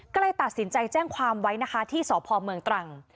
ก็เลยตัดสินใจแจ้งความไว้นะคะที่สพเมืองตรัง